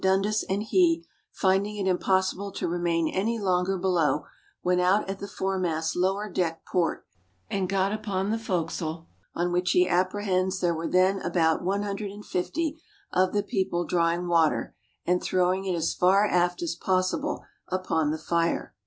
Dundas and he, finding it impossible to remain any longer below, went out at the fore mast lower deck port, and got upon the fore castle; on which he apprehends there were then about one hundred and fifty of the people drawing water, and throwing it as far aft as possible upon the fire.